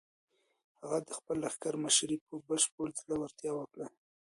هغه د خپل لښکر مشري په بشپړ زړورتیا وکړه.